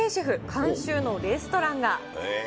監修のレストランが。